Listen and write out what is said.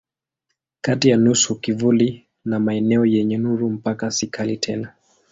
Kati ya nusu kivuli na maeneo yenye nuru mpaka si kali tena.